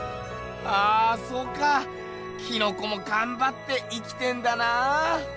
ああそうかキノコもがんばって生きてんだなぁ。